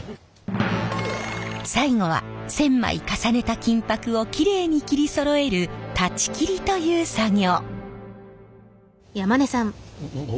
最後は１，０００枚重ねた金箔をきれいに切りそろえる裁ち切りという作業。